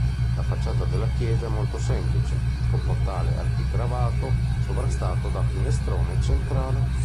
La facciata della chiesa è molto semplice, con portale architravato sovrastato da finestrone centrale.